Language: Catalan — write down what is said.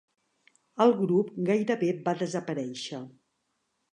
El grup gairebé va desaparèixer.